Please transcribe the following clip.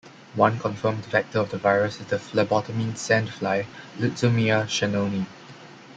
One confirmed vector of the virus is the phlebotomine sand fly "Lutzomyia shannoni".